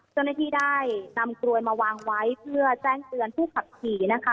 เจ้าหน้าที่ได้นำกลวยมาวางไว้เพื่อแจ้งเตือนผู้ขับขี่นะคะ